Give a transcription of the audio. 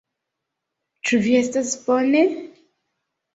Ĉu vi estas bone?